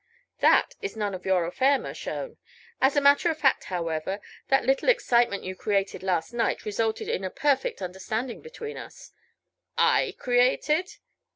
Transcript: "That is none of your affair, Mershone. As a matter of fact, however, that little excitement you created last night resulted in a perfect understanding between us." "I created!"